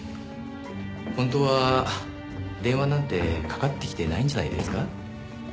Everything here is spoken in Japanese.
本当は電話なんてかかってきてないんじゃないですか？